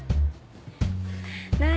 何？